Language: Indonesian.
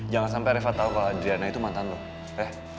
jangan sampe reva tau kalau adriana itu mantan lo ya